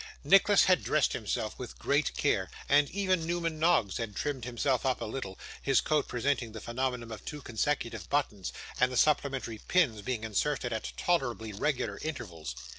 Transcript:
Nicholas had dressed himself with great care, and even Newman Noggs had trimmed himself up a little; his coat presenting the phenomenon of two consecutive buttons, and the supplementary pins being inserted at tolerably regular intervals.